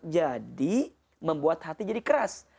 jadi membuat hati jadi keras